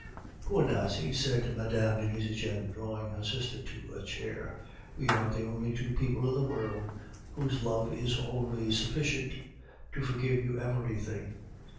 "Poor Nasie!" said Mme. de Nucingen, drawing her sister to a chair. "We are the only two people in the world whose love is always sufficient to forgive you everything.